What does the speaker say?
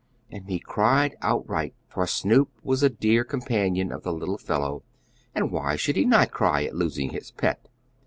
and he cried outright, for Snoop was a dear companion of the little fellow, and why should he not cry at losing his pet?